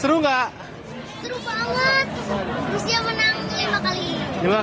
seru banget rusia menang lima kali